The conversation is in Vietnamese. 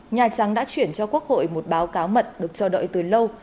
nhà trắng đã chuyển cho quốc hội một báo cáo mận được chờ đợi từ lâu